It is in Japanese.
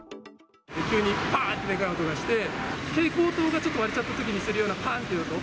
急にぱーんってでかい音がして、蛍光灯がちょっと割れちゃったときにするような、ぱーんっていう音。